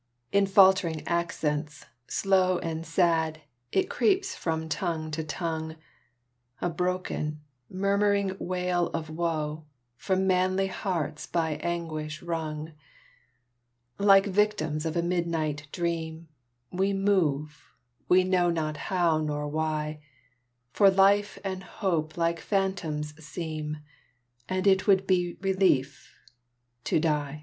_" In faltering accents, slow And sad, it creeps from tongue to tongue, A broken, murmuring wail of woe, From manly hearts by anguish wrung. Like victims of a midnight dream, We move, we know not how nor why; For life and hope like phantoms seem, And it would be relief to die!